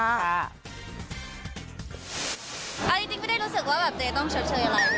เอาจริงไม่ได้รู้สึกว่าแบบเจ๊ต้องชดเชยอะไร